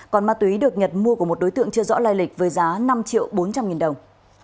còn ma túy được nhật mua của một đối tượng chưa rõ lai lịch với giá năm triệu bốn trăm linh nghìn đồng